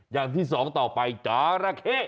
อย่างที่สองต่อไปจราเข้